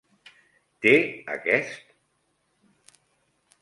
Té aquest...?